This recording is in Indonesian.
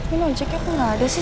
ini ojeknya kok gak ada sih